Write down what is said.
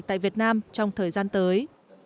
tại việt nam trong thời gian tới